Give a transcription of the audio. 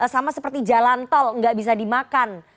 sama seperti jalan tol nggak bisa dimakan